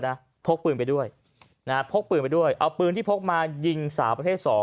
นะพกปืนไปด้วยพกปืนไปด้วยเอาปืนที่พกมายิงสาวประเทศ